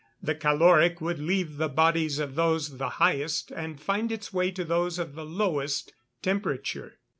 The caloric would leave the bodies of those of the highest, and find its way to those of the lowest temperature.